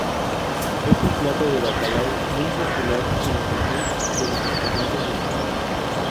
Es un plato de bacalao muy popular en los menús de los restaurantes españoles.